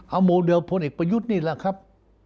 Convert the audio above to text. เอาโมเดลพลเอกประยุทธ์นี่แหละครับ